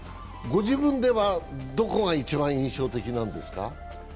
ご自分ではどこが一番印象的なんですか？